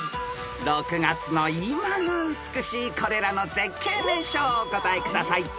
［６月の今が美しいこれらの絶景名所をお答えください］